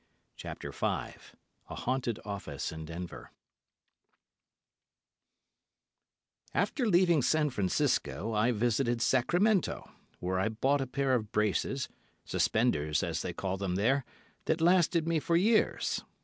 CHAPTER V A HAUNTED OFFICE IN DENVER After leaving San Francisco, I visited Sacramento, where I bought a pair of braces, suspenders as they call them there, that lasted me for years.